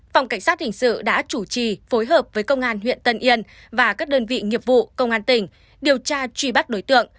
phòng cảnh sát hình sự đã chủ trì phối hợp với công an huyện tân yên và các đơn vị nghiệp vụ công an tỉnh điều tra truy bắt đối tượng